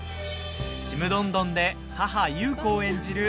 「ちむどんどん」で母、優子を演じる